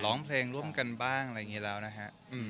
ร้องเพลงร่วมกันบ้างอะไรอย่างนี้แล้วนะฮะ